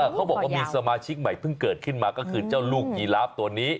เขาบอกว่ามีสมาชิกใหม่เพิ่งเกิดขึ้นมาก็คือเจ้าลูกยีลาฟตัวนี้